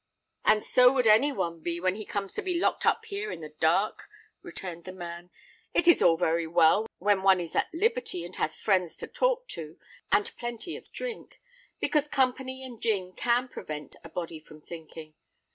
"And so would any one be when he comes to be locked up here in the dark," returned the man. "It is all very well when one is at liberty, and has friends to talk to, and plenty of drink; because company and gin can prevent a body from thinking.